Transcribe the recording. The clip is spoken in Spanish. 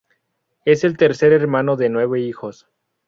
Es el tercer hermano de nueve hijos.